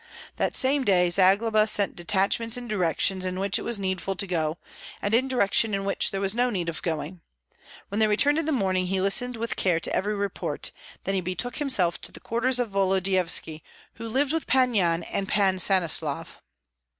That same day Zagloba sent detachments in directions in which it was needful to go, and in direction in which there was no need of going. When they returned in the morning, he listened with care to every report; then he betook himself to the quarters of Volodyovski, who lived with Pan Yan and Pan Stanislav.